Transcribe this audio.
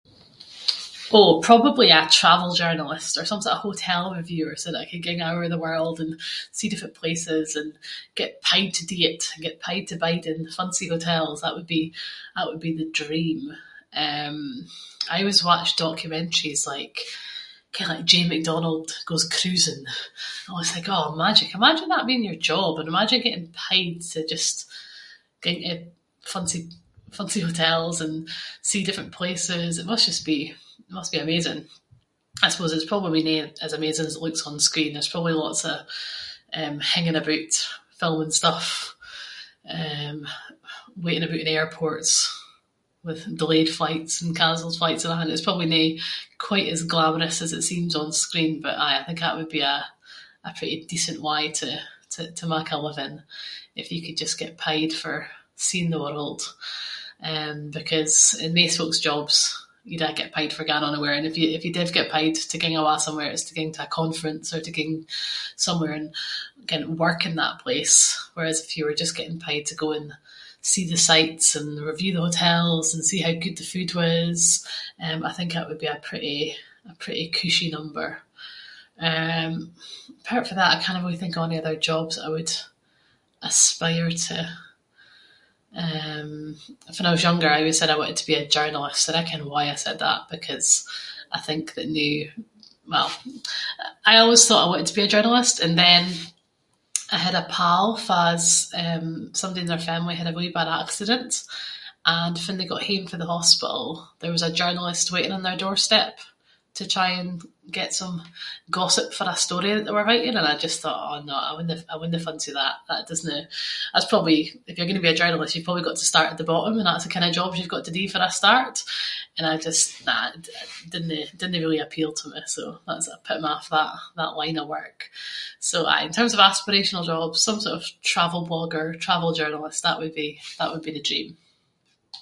Oh probably a travel journalist or some sort of hotel reviewer so that I could ging a’ over the world and see different places and get paid to do it, and get paid to bide in fancy hotels, that would be- that would be the dream. Eh I aieways watched documentaries like, ken like Jane McDonald goes cruising. I always think aw magic, imagine that being your job, and imagine getting paid to just ging to fancy- fancy hotels and see different places. It must just be- it must be amazing. I suppose it’s probably no as amazing as it looks on screen, there’s probably lots of eh hinging aboot filming stuff, eh waiting aboot in airports with delayed flights and cancelled flights and athing. It’s probably no quite as glamorous as it seems on screen, but aye I think that would be a- a pretty decent way to- to mak a living, if you could just get paid for seeing the world. Eh because in maist folk’s jobs you dinna get paid for going onywhere. If you div get paid to ging awa somewhere, it’s to ging to a conference or to ging somewhere and ken work in that place. Whereas if you were just getting paid to go and see the sights and review the hotels and see how good the food was, eh I think that would be a pretty- a pretty cushy number. Eh apart from that I cannae really think of ony other jobs that I would aspire to. Ehh fann I was younger I aieways said I wanted to be a journalist. And I kind of know why I send that, because I think that noo- well, I always thought I wanted to be a journalist and then I had a pal fa’s- somebody in their family had a really bad accident and fann they got hame from the hospital, there was a journalist waiting on their doorstep to try and get some gossip for a story that they were writing. And I just thought aw no, I wouldnae- I wouldnae fancy that, that doesnae- that’s probably- if you’re going to be a journalist, you’ve probably got to start at the bottom and that’s the kind of jobs you’ve got to do for a start. And I just- nah, it didnae- didnae really appeal to me, so that’s what put me off that-that line of work. So aye, in terms of aspirational job, some sort of travel blogger, travel journalist, that would be- that would be the dream.